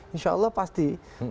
insya allah pasti